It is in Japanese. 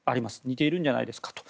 似ているんじゃないですかと。